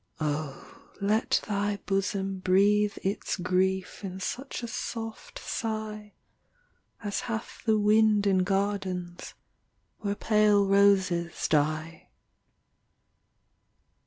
Oh, let thy bosom breathe its grief In such a soft sigh As hath the wind in gardens where Pale roses die.